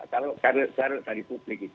kalau karena saya tadi publik